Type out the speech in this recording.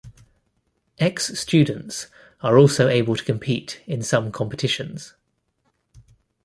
Ex Students are also able to compete in some competitions.